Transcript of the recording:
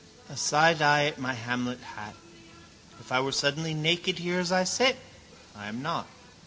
A side eye at my Hamlet hat. If I were suddenly naked here as I sit? I am not.